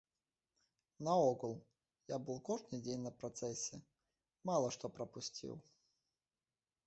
Наогул, я быў кожны дзень на працэсе, мала што прапусціў.